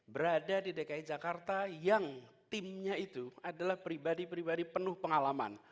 berada di dki jakarta yang timnya itu adalah pribadi pribadi penuh pengalaman